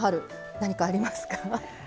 何かありますか？